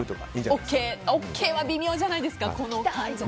ＯＫは微妙じゃないですか？